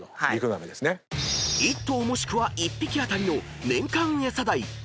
［１頭もしくは１匹当たりの年間エサ代］